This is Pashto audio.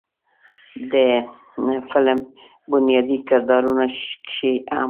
د فلم بنيادي کردارونو کښې هم